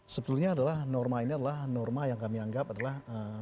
sebetulnya adalah norma ini adalah norma yang kami anggap adalah